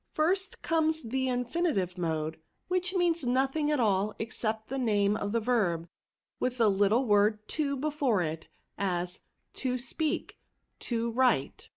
" First comes the infinitive mode, which means nothing at all except the name of the verb, with the little word to before it, as ' To speak, to write.'"